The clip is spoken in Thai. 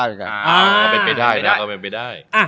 อ่าเอาไปได้